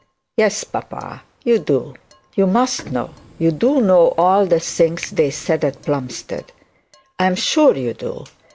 'Yes, papa, you do; you must know, you do know all the things they said at Plumstead. I am sure you do.